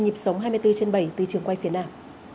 nhịp sống hai mươi bốn trên bảy từ trường quay phía nam